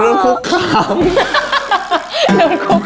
โดนคูกข่าบ